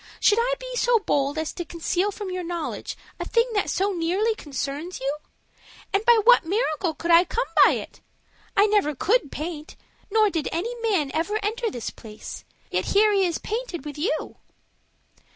Should I be so bold as to conceal from your knowledge a thing that so nearly concerns you? And by what miracle could I come by it? I never could paint, nor did any man ever enter this place; yet here he is painted with you?"